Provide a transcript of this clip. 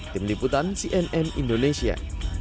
tim liputan cnn indonesia